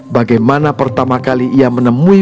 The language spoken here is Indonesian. bagaimana pertama kali ia menemui